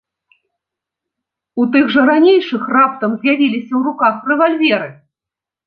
У тых жа ранейшых раптам з'явіліся ў руках рэвальверы.